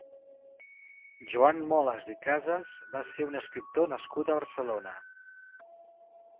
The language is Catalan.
Joan Molas i Casas va ser un escriptor nascut a Barcelona.